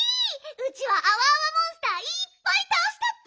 ウチはアワアワモンスターいっぱいたおしたッピ！